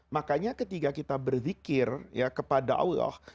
makanya ketika kita berzikir kepada allah